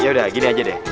yaudah gini aja deh